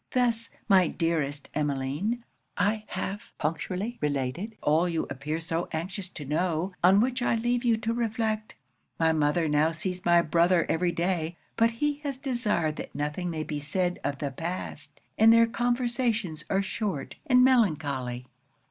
'Thus, my dearest Emmeline, I have punctually related all you appear so anxious to know, on which I leave you to reflect. My mother now sees my brother every day; but he has desired that nothing may be said of the past; and their conversations are short and melancholy.